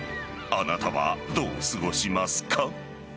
あなたはどう過ごしますか。